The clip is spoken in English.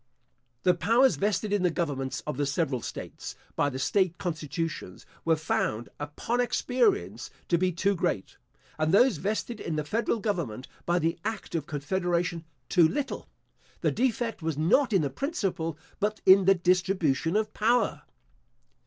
The powers vested in the governments of the several states, by the state constitutions, were found, upon experience, to be too great; and those vested in the federal government, by the act of confederation, too little. The defect was not in the principle, but in the distribution of power.